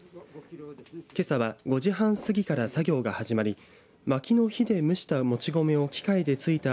けさは５時半過ぎから作業が始まりまきの火で蒸したもち米を機械でついた